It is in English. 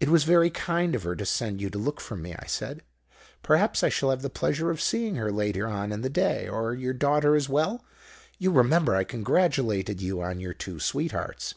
"'It was very kind of her to send you to look for me,' I said. 'Perhaps I shall have the pleasure of seeing her later on in the day and your daughter as well. You remember I congratulated you on your two sweethearts?'